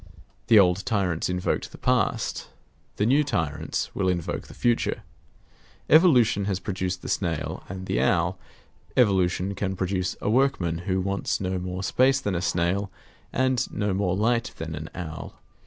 The old tyrants invoked the past; the new tyrants will invoke the future evolution has produced the snail and the owl; evolution can produce a workman who wants no more space than a snail, and no more light than an owl.